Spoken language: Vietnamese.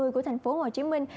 của thành phố hồ chí minh